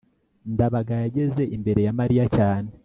ndabaga yageze imbere ya mariya cyane